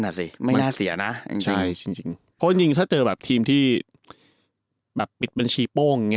น่ะสิไม่น่าเสียน่ะจริงจริงถ้าเจอแบบทีมที่แบบปิดบัญชีโป้งอย่าง